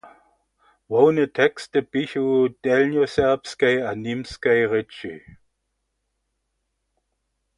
Hłowne teksty běchu w delnjoserbskej a němskej rěči.